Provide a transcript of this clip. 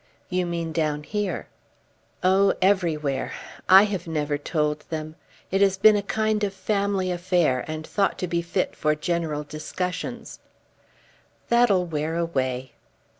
"You mean down here." "Oh; everywhere. I have never told them. It has been a kind of family affair and thought to be fit for general discussions." "That'll wear away."